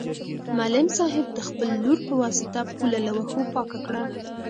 معلم صاحب د خپل لور په واسطه پوله له واښو پاکه کړه.